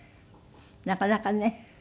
なかなかね